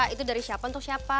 itu dari siapa untuk siapa